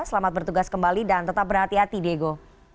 selamat bertugas kembali dan tetap berhati hati diego